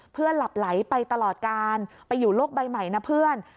หลับไหลไปตลอดการไปอยู่โลกใบใหม่นะเพื่อน